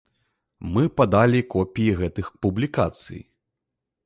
Мы падалі копіі гэтых публікацый.